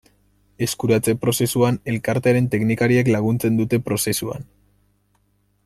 Eskuratze-prozesuan elkartearen teknikariek laguntzen dute prozesuan.